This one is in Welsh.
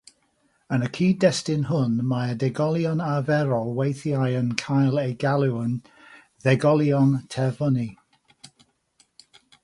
Yn y cyd-destun hwn, mae'r degolion arferol weithiau'n cael eu galw'n “ddegolion terfynu”.